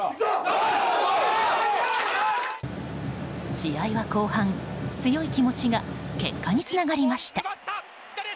試合は後半、強い気持ちが結果につながりました。